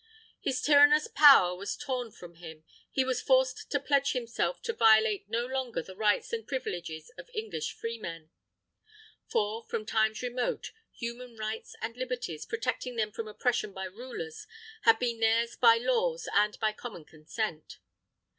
His tyrannous power was torn from him. He was forced to pledge himself to violate no longer the rights and privileges of English freemen. For, from times remote, human rights and liberties, protecting them from oppression by rulers, had been theirs by laws and by common consent.